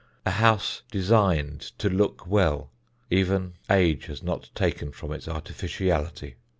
A house designed to look well, even age has not taken from its artificiality.